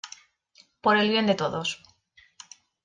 por el bien de todos.